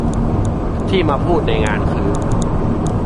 ที่มาพูดในงานคือ